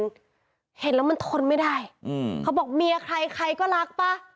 เห็นแล้วมันทนไม่ได้อืมเขาบอกเมียใครใครก็รักป่ะ